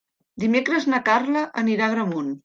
Dimecres na Carla anirà a Agramunt.